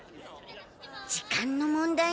時間の問題ね。